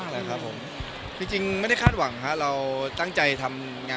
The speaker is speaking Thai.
เรื่องนี้พี่ซานคาดหวังไงบ้าง